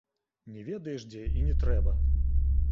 Не ведаеш дзе, і не трэба!